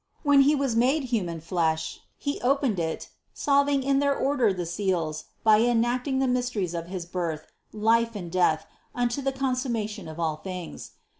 When He was made human flesh He opened it, solving in their order the seals by enacting the mysteries of his Birth, Life and Death unto the consum mation of all things.